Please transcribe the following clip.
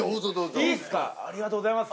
いいですかありがとうございます。